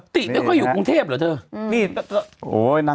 ติไม่ค่อยอยู่กรุงเทพเหรอเธอ